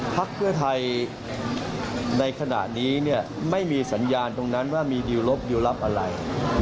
พักเพื่อไทยในขณะนี้เนี่ยไม่มีสัญญาณตรงนั้นว่ามีดิวลบดิวลับอะไร